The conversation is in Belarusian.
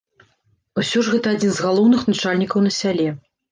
Усё ж гэта адзін з галоўных начальнікаў на сяле.